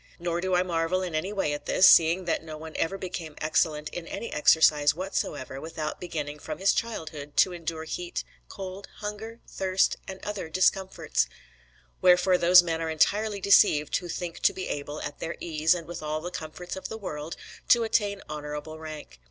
Nor do I marvel in any way at this, seeing that no one ever became excellent in any exercise whatsoever without beginning from his childhood to endure heat, cold, hunger, thirst, and other discomforts; wherefore those men are entirely deceived who think to be able, at their ease and with all the comforts of the world, to attain to honourable rank.